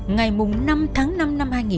nguyễn đức nghĩa đang tành sát hai bạn gái